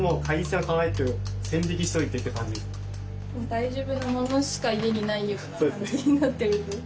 大丈夫なものしか家にないような感じになってるんで。